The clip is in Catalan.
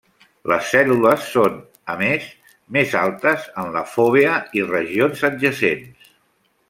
Les cèl·lules són, a més, més altes en la fòvea i regions adjacents.